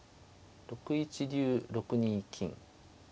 ６一竜６二金。